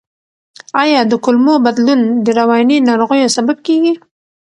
آیا د کولمو بدلون د رواني ناروغیو سبب کیږي؟